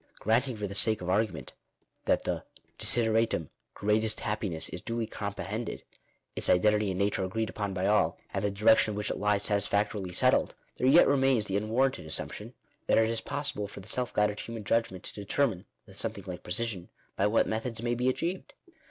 Granting for the sake of ar gument, that the desideratum, "greatest happiness/' is duly comprehended, its identity and nature agreed upon by all, and the direction in which it lies satisfactorily settled, there yet 1 remains the unwarranted assumption that it is possible for the self guided human judgment to determine, with something like precision, by what methods it may be achieved.